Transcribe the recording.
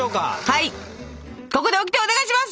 はいここでオキテお願いします。